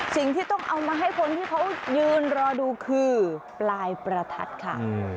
สิ่งที่ต้องเอามาให้คนที่เขายืนรอดูคือปลายประทัดค่ะ